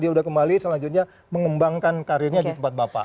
dia udah kembali selanjutnya mengembangkan karirnya di tempat bapak